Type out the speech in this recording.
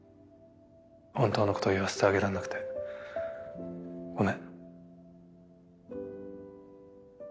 本当のことを言わせてあげられなくてごめん。